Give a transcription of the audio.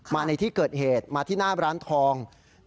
มาในที่เกิดเหตุมาที่หน้าร้านทอง